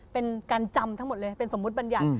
เป็นการจำทั้งหมดเลยเป็นสมมุติบัญญัติ